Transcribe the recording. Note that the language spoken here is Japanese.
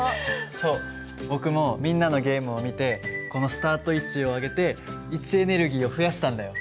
そう僕もみんなのゲームを見てこのスタート位置を上げて位置エネルギーを増やしたんだよ。